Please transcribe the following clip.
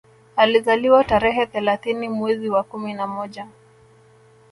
Alizaliwa tarehe thelathini mwezi wa kumi na moja